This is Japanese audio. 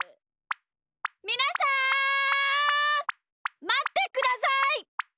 みなさんまってください！